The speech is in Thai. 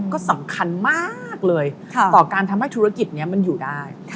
ก็สำคัญมากเลยต่อการทำให้ธุรกิจนี้มันอยู่ได้